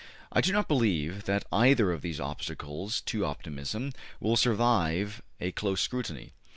I do not believe that either of these obstacles to optimism will survive a close scrutiny.